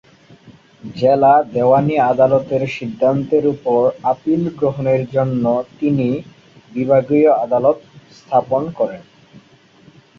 জেলা দেওয়ানি আদালতের সিদ্ধান্তের ওপর আপীল গ্রহণের জন্য তিনি বিভাগীয় আদালত স্থাপন করেন।